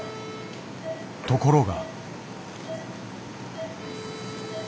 ところが。